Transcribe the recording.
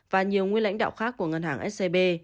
và nhiều nguyên lãnh đạo khác của ngân hàng scb